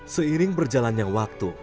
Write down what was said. seiring berjalannya waktu